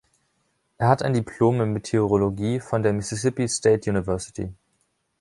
Er hat ein Diplom in Meteorologie von der Mississippi State University.